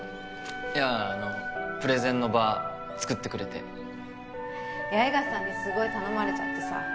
いやあのプレゼンの場作ってくれて八重樫さんにすごい頼まれちゃってさ